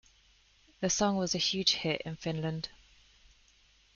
The song was a huge hit in Finland.